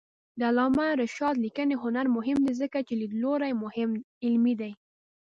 د علامه رشاد لیکنی هنر مهم دی ځکه چې لیدلوری علمي دی.